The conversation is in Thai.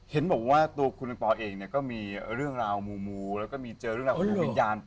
เห็นบอกว่าตัวคุณอังปอลเองเนี่ยก็มีเรื่องราวมูแล้วก็มีเจอเรื่องราวของดวงวิญญาณ